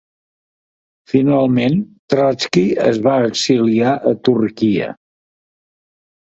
Finalment Trotski es va exiliar a Turquia.